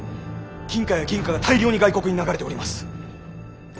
金貨や銀貨が大量に外国に流れております。